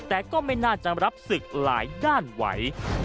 แต่ก็ไม่น่าจะรับศึกหลายด้านไหว